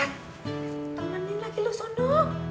temenin lagi lu sondo